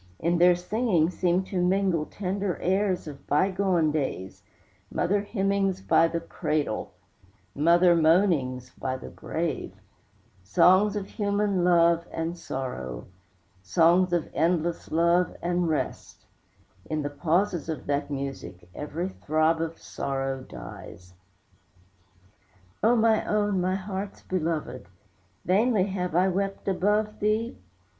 In their singing seem to mingle Tender airs of bygone days; Mother hymnings by the cradle, Mother moanings by the grave, Songs of human love and sorrow, Songs of endless love and rest; In the pauses of that music Every throb of sorrow dies. O my own, my heart's belovèd, Vainly have I wept above thee?